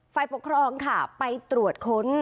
ฝ่ายปกครองค่ะไปตรวจค้น